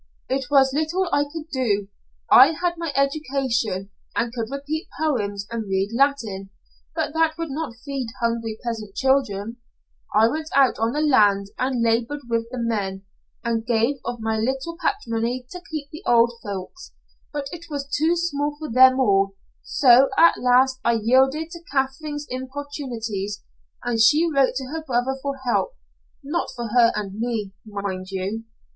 "It was little I could do. I had my education, and could repeat poems and read Latin, but that would not feed hungry peasant children. I went out on the land and labored with the men, and gave of my little patrimony to keep the old folks, but it was too small for them all, so at last I yielded to Katherine's importunities, and she wrote to her brother for help not for her and me, mind you.